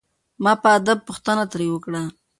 ما په ادب پوښتنه ترې وکړه.